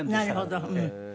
なるほど。